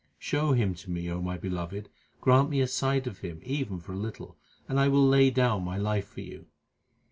Show Him to me, O my beloved, grant me a sight of Him even for a little, and I will lay down my life for you.